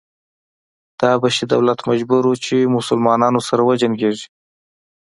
د حبشې دولت مجبور و چې مسلنانو سره وجنګېږي.